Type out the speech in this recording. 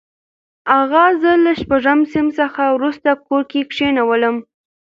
اغا زه له شپږم صنف څخه وروسته کور کې کښېنولم.